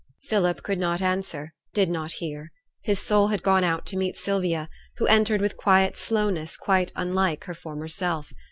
Philip could not answer did not hear. His soul had gone out to meet Sylvia, who entered with quiet slowness quite unlike her former self.